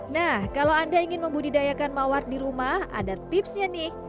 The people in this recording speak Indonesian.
nah kalau anda ingin membudidayakan mawar di rumah ada tipsnya nih